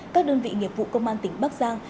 các đơn vị nghiệp vụ công an tỉnh bắc giang